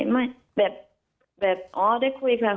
ไม่ไม่ได้คุยค่ะ